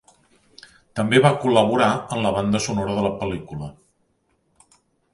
També va col·laborar en la banda sonora de la pel·lícula.